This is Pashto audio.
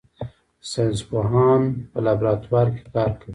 ساینس پوهان په لابراتوار کې کار کوي